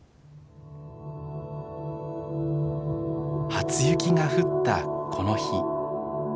初雪が降ったこの日。